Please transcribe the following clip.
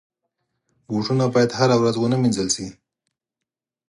بوټونه باید هره ورځ ونه وینځل شي.